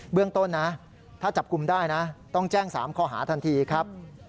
เรื่องต้นนะถ้าจับกลุ่มได้นะต้องแจ้ง๓ข้อหาทันทีครับ